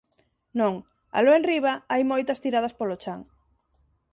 Non, aló enriba hai moitas tiradas polo chan.